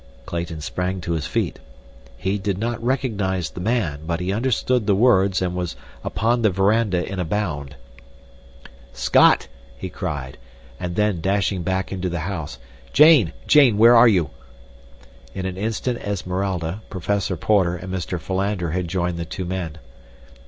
Clayton sprang to his feet. He did not recognize the man, but he understood the words and was upon the veranda in a bound. "Scott!" he cried, and then, dashing back into the house, "Jane! Jane! where are you?" In an instant Esmeralda, Professor Porter and Mr. Philander had joined the two men.